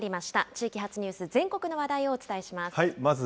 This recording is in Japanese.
地域発ニュース、全国の話題をお伝えします。